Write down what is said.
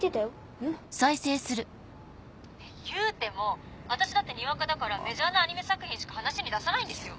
ゆうても私だってにわかだからメジャーなアニメ作品しか話に出さないんですよ？